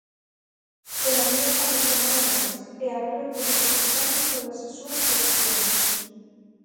Pola miña parte nada máis e agardo ter contestado todas as súas cuestións.